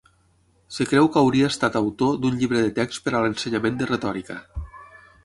Es creu que hauria estat autor d'un llibre de text per a l'ensenyament de retòrica.